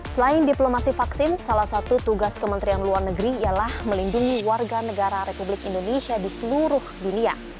selain diplomasi vaksin salah satu tugas kementerian luar negeri ialah melindungi warga negara republik indonesia di seluruh dunia